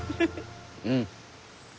うん。